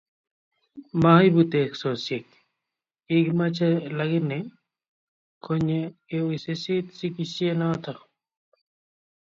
Maibu teksosiek kiekimoche lakini konye kowisisit sikishet noto